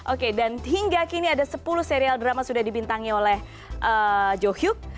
oke dan hingga kini ada sepuluh serial drama sudah dibintangi oleh jo hyuk